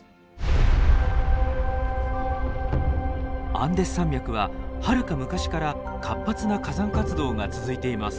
アンデス山脈ははるか昔から活発な火山活動が続いています。